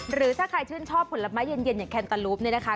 หรือถ้าใครชื่นชอบผลไม้เย็นอย่างแคนตาลูปเนี่ยนะคะ